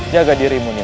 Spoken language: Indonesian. jaga dirimu mas